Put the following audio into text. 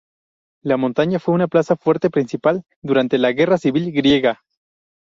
La montaña fue una plaza fuerte principal durante la guerra civil griega.